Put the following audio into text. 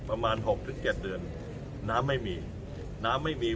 หกถึงเจ็ดเดือนน้ำไม่มีน้ำไม่มี